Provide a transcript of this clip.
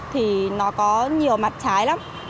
thì nó có nhiều mặt trái lắm